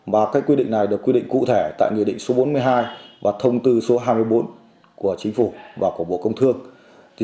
và quy định này được quy định cụ thể tại nghị định số bốn mươi hai và thông tư số hai mươi bốn của chính phủ và của bộ công thương